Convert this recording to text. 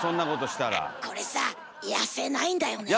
これさ痩せないんだよね。